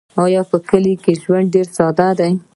په کلیو کې ژوند ډېر ساده دی.